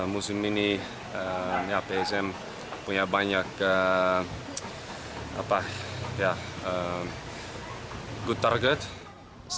musim ini psm punya banyak target yang bagus